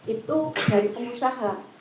itu dari pengusaha